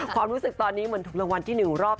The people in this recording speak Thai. ความรู้สึกตอนนี้เหมือนถูกรางวัลที่๑รอบ